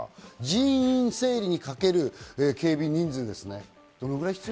人員整理にかける警備人数です。